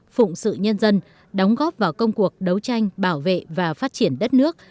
phụng sự nhân dân đóng góp vào công cuộc đấu tranh bảo vệ và phát triển đất nước